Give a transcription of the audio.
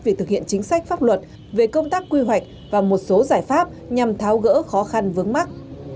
việc thực hiện chính sách pháp luật về công tác quy hoạch và một số giải pháp nhằm tháo gỡ khó khăn vướng mắt